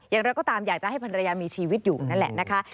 อย่างไรก็ตามอยากจะให้ภรรยามีชีวิตอยู่นั่นแหละนะคะ